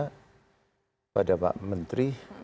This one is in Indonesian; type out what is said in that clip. kepada pak menteri